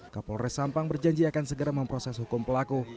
kapolres sampang berjanji akan segera memproses hukum pelaku